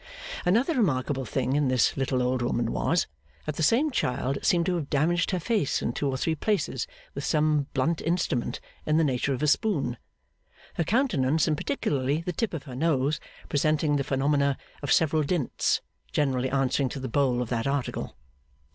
Another remarkable thing in this little old woman was, that the same child seemed to have damaged her face in two or three places with some blunt instrument in the nature of a spoon; her countenance, and particularly the tip of her nose, presenting the phenomena of several dints, generally answering to the bowl of that article.